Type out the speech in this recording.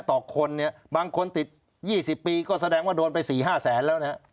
ต่อคนเนี่ยบางคนติด๒๐ปีก็แสดงว่าโดนไป๔๕แสนแล้วนะฮะ